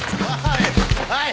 はい！